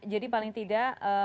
jadi paling tidak